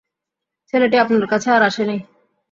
ছেলেটি আপনার কাছে আর আসে নি?